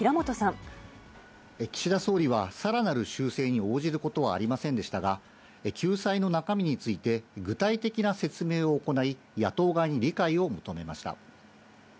岸田総理は、さらなる修正に応じることはありませんでしたが、救済の中身について、具体的な説明を行い、野党側に理解を求めました。